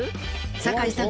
坂井さん